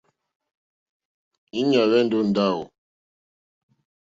Íɲá hwɛ́ndɛ̀ ó ndáwò.